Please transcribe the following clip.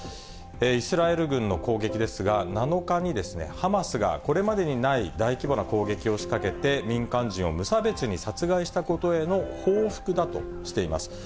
イスラエル軍の攻撃ですが、７日に、ハマスがこれまでにない大規模な攻撃を仕掛けて、民間人を無差別に殺害したことへの報復だとしています。